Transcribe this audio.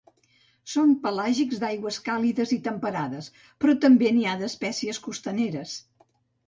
Són pelàgics d'aigües càlides i temperades però també n'hi ha espècies costaneres.